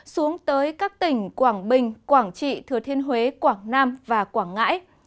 xuống tới các tỉnh quảng bình quảng trị thừa thiên huế quảng nam và quảng ngãi